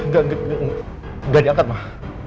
gaget gaget gak diangkat mah